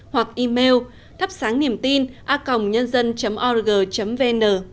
hoặc email thapsangniemtina org vn